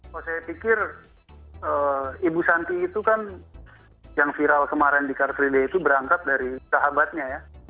kalau saya pikir ibu santi itu kan yang viral kemarin di car free day itu berangkat dari sahabatnya ya